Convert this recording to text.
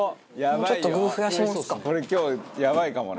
「これ今日やばいかもな」